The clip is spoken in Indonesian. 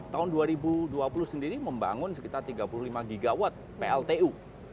tahun dua ribu dua puluh sendiri membangun sekitar tiga puluh lima gigawatt pltu